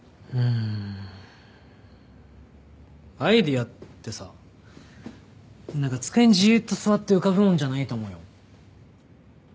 アイデアってさ何か机にじっと座って浮かぶもんじゃないと思うよ。